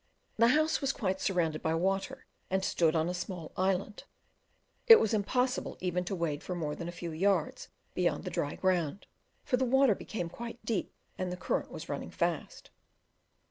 The house was quite surrounded by water and stood on a small island; it was impossible even to wade for more than a few yards beyond the dry ground, for the water became quite deep and the current was running fast.